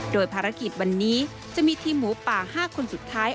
โดยภารกิจวันนี้จะมีทีมหมูป่า๕คนสุดท้าย